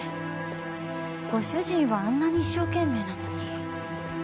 ご主人はあんなに一生懸命なのに。